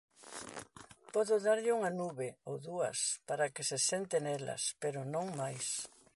Podo darlle unha nube ou dúas para que sente nelas, pero non máis.